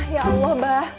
ya allah mbak